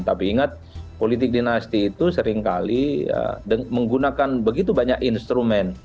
tapi ingat politik dinasti itu seringkali menggunakan begitu banyak instrumen